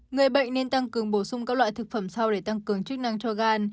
người bệnh nên tăng cường bổ sung các loại thực phẩm sau để tăng cường chức năng cho gan